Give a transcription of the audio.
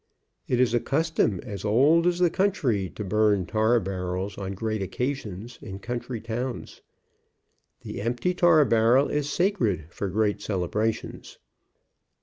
It is a custom as old as the country to burn tar barrels on great occasions, in country towns. The empty tar barrel is sacred for great celebrations.